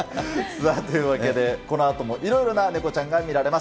さあ、というわけで、このあともいろいろなネコちゃんが見られます。